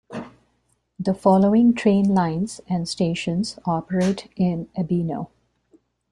The following train lines and stations operate in Ebino.